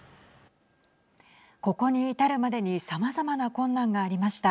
ここに至るまでにさまざまな困難がありました。